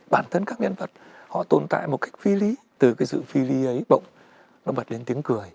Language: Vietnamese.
bản thân các nhân vật họ tồn tại một cách phi lý từ cái sự phi lý ấy bỗng nó bật lên tiếng cười